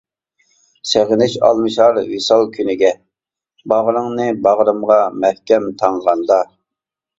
سېغىنىش ئالمىشار ۋىسال كۈنىگە، باغرىڭنى باغرىمغا مەھكەم تاڭغاندا.